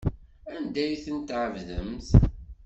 Anda ay ten-tɛebdemt?